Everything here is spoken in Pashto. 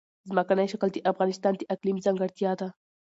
ځمکنی شکل د افغانستان د اقلیم ځانګړتیا ده.